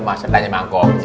mas tanya mangkoknya